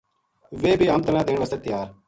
ویہ بے ہم تَنا دین واسطے تیار